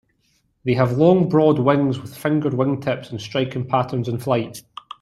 They have long broad wings with "fingered" wingtips, and striking patterns in flight.